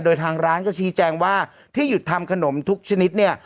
โดยทางร้านก็ชี้แจงว่าที่หยุดทำขนมทุกชนิดเนี่ย